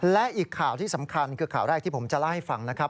และอีกข่าวที่สำคัญคือข่าวแรกที่ผมจะเล่าให้ฟังนะครับ